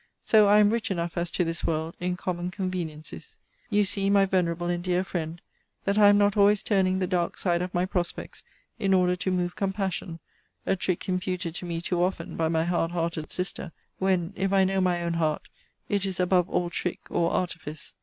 So I am rich enough, as to this world, in common conveniencies. You see, my venerable and dear friend, that I am not always turning the dark side of my prospects, in order to move compassion; a trick imputed to me, too often, by my hard hearted sister; when, if I know my own heart, it is above all trick or artifice.